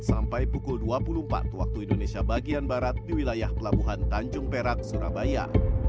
sampai pukul dua puluh empat waktu indonesia bagian barat di wilayah pelabuhan tanjung perak surabaya